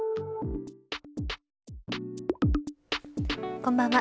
こんばんは。